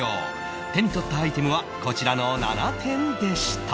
手に取ったアイテムはこちらの７点でした